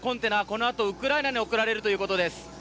このあとウクライナに送られるということです。